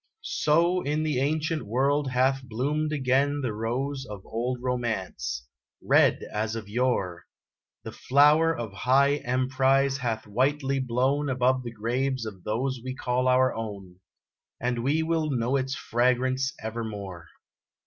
So in the ancient world hath bloomed again The rose of old romance red as of yore; The flower of high emprise hath whitely blown Above the graves of those we call our own, And we will know its fragrance evermore.